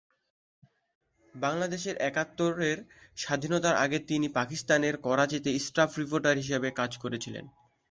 বাংলাদেশের একাত্তরের স্বাধীনতার আগে তিনি পাকিস্তানের করাচিতে স্টাফ রিপোর্টার হিসাবে কাজ করেছিলেন।